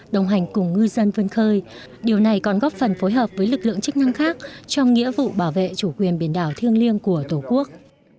đồng hành cùng ngư dân vươn khơi điều này còn góp phần phối hợp với lực lượng chức năng khác trong nghĩa vụ bảo vệ chủ quyền biển đảo thiêng liêng của tổ quốc